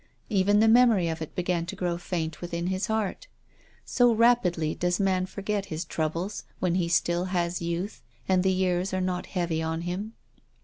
Even the memory of it began to grow faint within his heart. So rapidly does man for get his troubles when he still has youth and the years are not heavy on him.